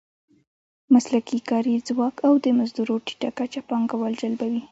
مسلکي کاري ځواک او د مزدور ټیټه کچه پانګوال جلبوي.